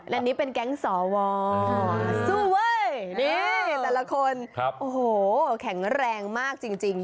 อันนี้เป็นแก๊งสวสู้เว้ยนี่แต่ละคนโอ้โหแข็งแรงมากจริง